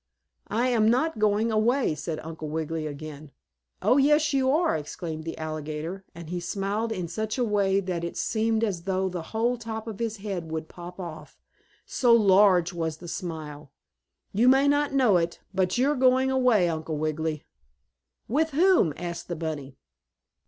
"I am not going away," said Uncle Wiggily again. "Oh, yes you are!" exclaimed the alligator, and he smiled in such a way that it seemed as though the whole top of his head would pop off, so large was the smile. "You may not know it, but you are going away, Uncle Wiggily." "With whom?" asked the bunny.